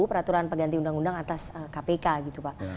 peraturan pengganti undang undang atas kpk gitu pak